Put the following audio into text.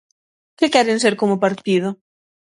¿Que queren ser como partido?